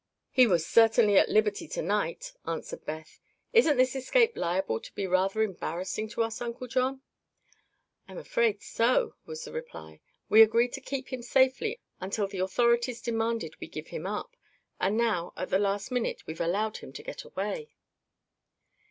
"He was certainly at liberty to night," answered Beth. "Isn't this escape liable to be rather embarrassing to us, Uncle John?" "I'm afraid so," was the reply. "We agreed to keep him safely until the authorities demanded we give him up; and now, at the last minute, we've allowed him to get away."